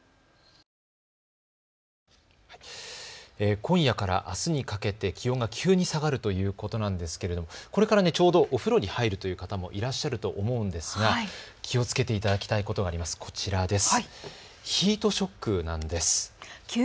今夜からあすにかけて気温が急に下がるということなんですが、これからちょうどお風呂に入るという方もいらっしゃると思うんですが気をつけていただきたいことがあります。